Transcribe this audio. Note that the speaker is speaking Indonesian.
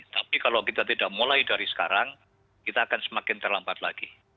tapi kalau kita tidak mulai dari sekarang kita akan semakin terlambat lagi